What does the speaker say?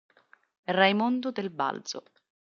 Raimondo del Balzo